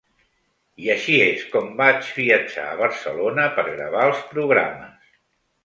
I així és com vaig viatjar a Barcelona per gravar els programes.